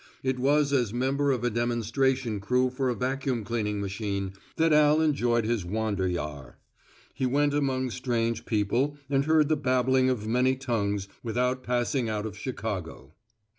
It was as member of a demonstration crew for a vacuum cleaning machine that Al enjoyed his wanderjahre. He went among strange people and heard the babbling of many tongues without passing out of Chicago.